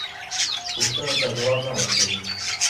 پوښتنو ته ځواب نه ورکوي.